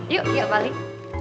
yuk kita balik